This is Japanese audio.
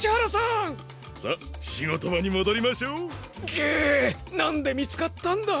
げっ何で見つかったんだ？